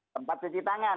tempat cuci tangan